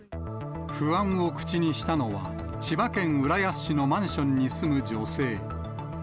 不安を口にしたのは、千葉県浦安市のマンションに住む女性。